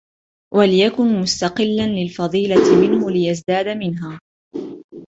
وَلْيَكُنْ مُسْتَقِلًّا لِلْفَضِيلَةِ مِنْهُ لِيَزْدَادَ مِنْهَا